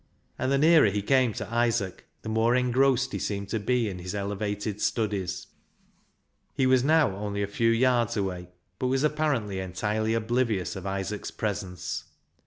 And the nearer he came to Isaac the more engrossed he seemed to be in his elevated studies. He was now only a few yards away, but was apparently entirely oblivious of Isaac's presence.